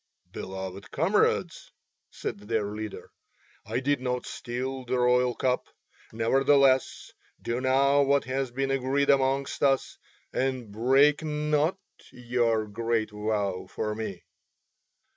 "Beloved comrades," said their leader, "I did not steal the royal cup. Nevertheless do now what has been agreed amongst us, and break not your great vow for me."